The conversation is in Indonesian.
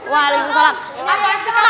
wah lingkungan salah